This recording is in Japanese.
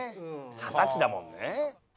二十歳だもんね。